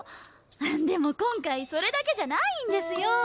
でも今回それだけじゃないんですよ。